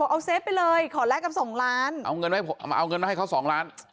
เอาเซฟไปเลยขอแลกกับสองล้านเอาเงินไว้เอามาเอาเงินมาให้เขาสองล้าน